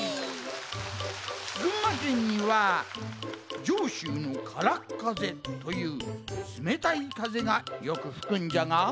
群馬県には「じょうしゅうのからっかぜ」というつめたいかぜがよくふくんじゃが。